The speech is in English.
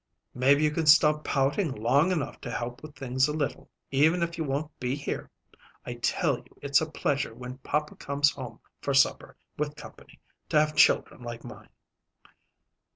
"Maybe you can stop pouting long enough to help with things a little, even if you won't be here. I tell you it's a pleasure when papa comes home for supper with company, to have children like mine."